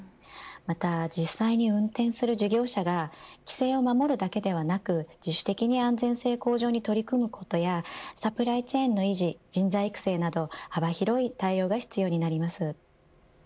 また実際に運転する事業者が規制を守るためだけではなく自主的に安全性向上に取り組むことやサプライチェーンの維持人材育成など幅広い対応が必要になります。